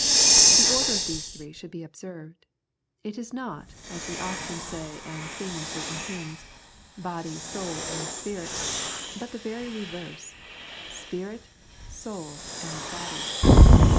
The order of these three should be observed. It is not, as we often say, and sing in certain hymns, " body, soul, and spirit," but the very reverse —■" spirit, soul, and body."